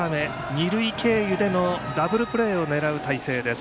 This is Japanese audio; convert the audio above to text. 二塁経由でのダブルプレーを狙う形です。